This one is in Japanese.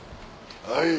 はい！